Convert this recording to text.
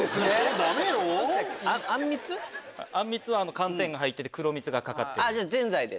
あんみつは寒天が入ってて黒蜜がかかってる。